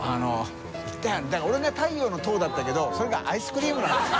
だから俺は太陽の塔だったけどそれがアイスクリームなんだよ。